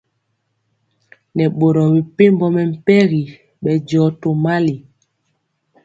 Nɛ boro mepempɔ mɛmpegi bɛndiɔ tomali.